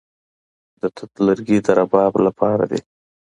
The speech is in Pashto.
د توت لرګي د رباب لپاره دي.